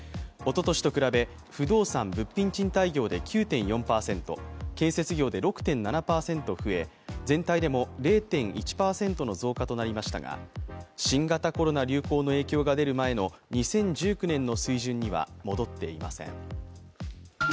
おととしと比べ、不動産・物品賃貸業で９．４％、建設業で６．７％増え、全体でも０．１％の増加となりましたが新型コロナ流行の影響が出る前の２０１９年の水準には戻っていません。